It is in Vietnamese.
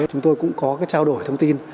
chúng tôi cũng có cái trao đổi thông tin